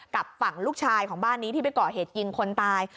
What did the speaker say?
กับฝั่งลูกชายของบ้านนี้ที่ไปก่อเหตุยิงคนตาย